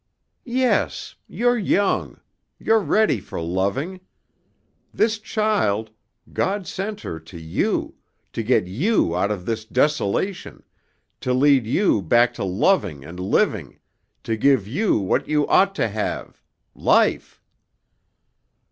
"Yes, you're young. You're ready for loving. This child God sent her to you, to get you out of this desolation, to lead you back to loving and living, to give you what you ought to have Life."